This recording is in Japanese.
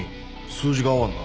数字が合わんな。